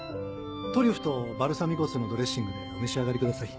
トリュフとバルサミコ酢のドレッシングでお召し上がりください。